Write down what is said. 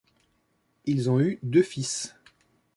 Ils ont eu deux fils.